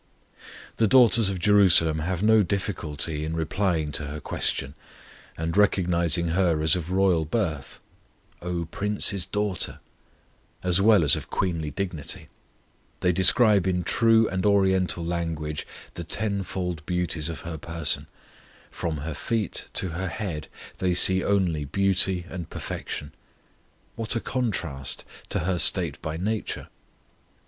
The daughters of Jerusalem have no difficulty in replying to her question, and recognizing her as of royal birth "O Prince's daughter" as well as of queenly dignity, they describe in true and Oriental language the tenfold beauties of her person; from her feet to her head they see only beauty and perfection. What a contrast to her state by nature!